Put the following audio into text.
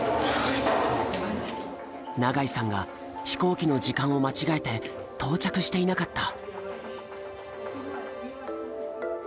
永井さんが飛行機の時間を間違えて到着していなかった。